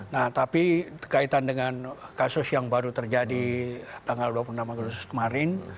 nah tapi kaitan dengan kasus yang baru terjadi tanggal dua puluh enam agustus kemarin